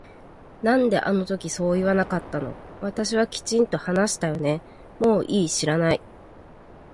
なんであの時そう言わなかったの私はきちんと話したよねもういい知らない